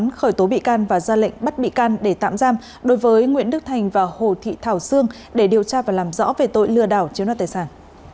cơ quan cảnh sát điều tra công an tỉnh bạc liêu cho biết vừa tống đạt quyết định khởi tố bị can và ra lệnh bắt bị can để tạm giam đối với nguyễn đức thành và hồ thị thảo sương để điều tra và làm rõ về tội lừa đảo chiếm đoạt tài sản